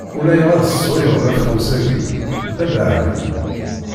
Ulayɣer tesswayeḍ afeqqus-agi, d abeɛli.